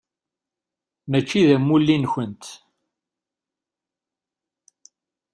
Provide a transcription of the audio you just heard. Mačči d amulli-nkent.